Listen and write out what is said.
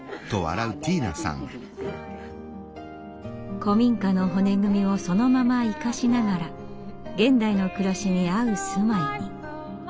古民家の骨組みをそのまま生かしながら現代の暮らしに合う住まいに。